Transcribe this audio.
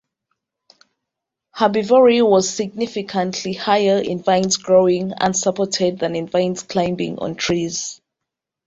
Herbivory was significantly higher in vines growing unsupported than in vines climbing on trees.